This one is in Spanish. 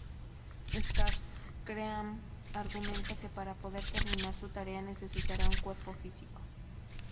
Starscream argumenta que para poder terminar su tarea necesitará un cuerpo físico.